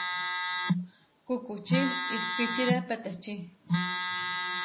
Kukuči ihpíčire peteči.